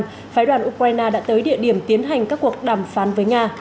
trong phái đoàn ukraine đã tới địa điểm tiến hành các cuộc đàm phán với nga